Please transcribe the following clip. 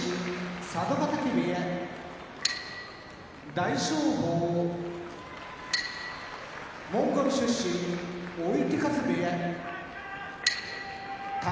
佐渡ヶ嶽部屋大翔鵬モンゴル出身追手風部屋宝